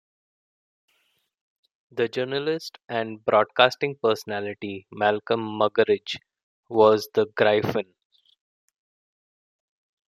The journalist and broadcasting personality Malcolm Muggeridge was The Gryphon.